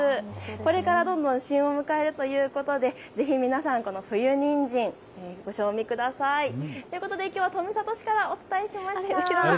これから旬を迎えるということでぜひ皆さん、冬にんじんご賞味ください。ということで、きょうは富里市からお伝えしました。